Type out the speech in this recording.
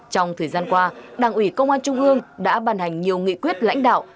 trong thời gian qua đảng ủy công an trung ương đã bàn hành nhiều nghị quyết lãnh đạo